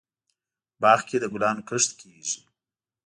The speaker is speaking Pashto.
باغ کې دګلانو کښت کیږي